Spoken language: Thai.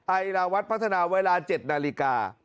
ไอราวัตรพัฒนาเวลา๗นาฬิกา